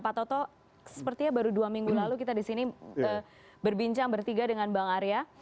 pak toto sepertinya baru dua minggu lalu kita di sini berbincang bertiga dengan bang arya